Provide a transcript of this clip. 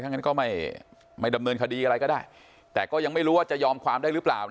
งั้นก็ไม่ไม่ดำเนินคดีอะไรก็ได้แต่ก็ยังไม่รู้ว่าจะยอมความได้หรือเปล่า